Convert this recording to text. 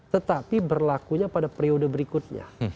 tetapi berlakunya pada periode berikutnya